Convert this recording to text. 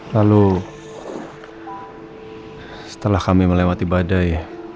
lalu setelah kami melewati badai